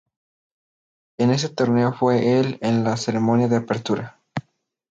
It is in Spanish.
En este torneo fue el en la ceremonia de apertura.